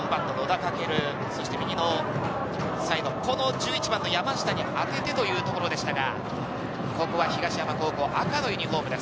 升、右のサイド、この１１番の山下に当ててというところでしたが、ここは東山高校、赤のユニホームです。